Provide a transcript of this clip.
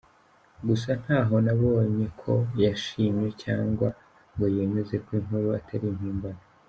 Gusa ntaho nabonye ko yashimye cyangwa ngo yemeze ko inkuru atari impimbano.